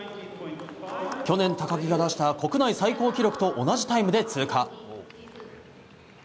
去年、高木が出した国内最高記録と同じタイムで通過。